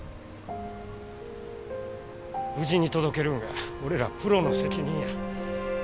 無事に届けるんが俺らプロの責任や。